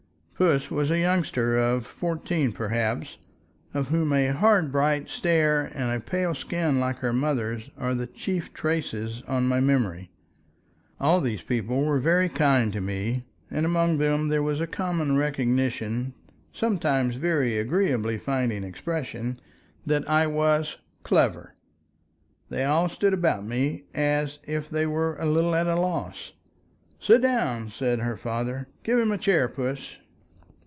Puss was a youngster of fourteen perhaps, of whom a hard bright stare, and a pale skin like her mother's, are the chief traces on my memory. All these people were very kind to me, and among them there was a common recognition, sometimes very agreeably finding expression, that I was—"clever." They all stood about me as if they were a little at a loss. "Sit down!" said her father. "Give him a chair, Puss."